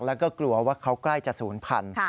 แล้วก็กลัวว่าเขาใกล้จะศูนย์พันธุ